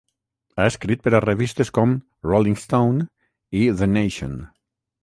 Ha escrit per a revistes com "Rolling Stone" i "The Nation".